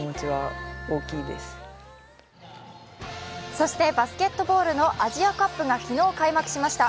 そしてバスケットボールのアジアカップが昨日開幕しました。